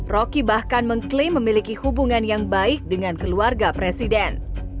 rocky bahkan mengklaim memiliki hubungan yang baik dengan keluarga presiden